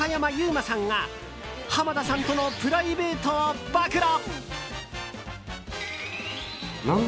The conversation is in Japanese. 馬さんが濱田さんとのプライベートを暴露。